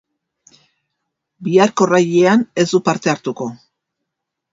Biharko rallyan ez du parte hartuko